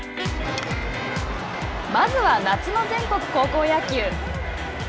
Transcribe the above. まずは夏の全国高校野球。